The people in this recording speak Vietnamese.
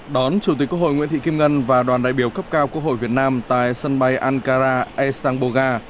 đón chủ tịch quốc hội nguyễn thị kim ngân và đoàn đại biểu cấp cao quốc hội việt nam tại sân bay ankara esangboga